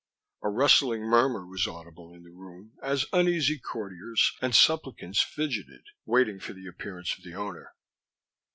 A rustling murmur was audible in the room as uneasy courtiers and supplicants fidgeted, waiting for the appearance of the Owner.